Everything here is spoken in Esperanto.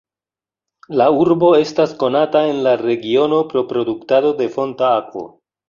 La urbo estas konata en la regiono pro produktado de fonta akvo.